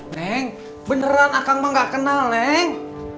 neng beneran akang mah gak kenal neng